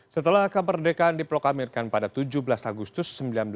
setelah kemerdekaan diploklamirkan pada tujuh belas agustus seribu sembilan ratus empat puluh